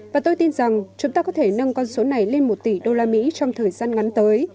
và tôi tin rằng chúng ta có thể nâng con số này lên một tỷ đô la mỹ trong thời gian ngắn tới